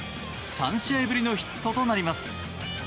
３試合ぶりのヒットとなります。